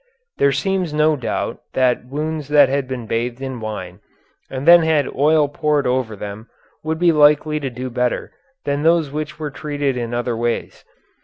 There seems no doubt that wounds that had been bathed in wine and then had oil poured over them would be likely to do better than those which were treated in other ways.